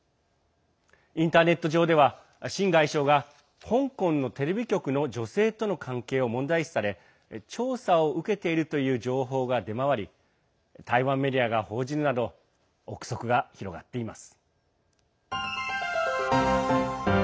インターネット上では秦外相が香港のテレビ局の女性との関係を問題視され調査を受けているという情報が出回り台湾メディアが報じるなど憶測が広がっています。